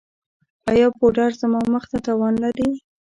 ایا پوډر زما مخ ته تاوان لري؟